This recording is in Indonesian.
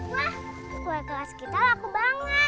wah kue kelas kita laku banget